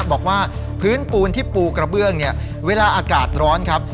บอกว่าพื้นปูนที่ปูกระเบื้องเนี่ยเวลาอากาศร้อนครับ